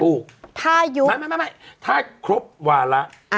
ไม่ถ้าครบวาระ